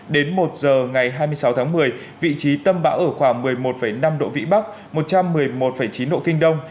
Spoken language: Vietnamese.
đến một giờ ngày hai mươi sáu tháng một mươi vị trí tâm bão ở khoảng một mươi một năm độ vĩ bắc một trăm một mươi một chín độ kinh đông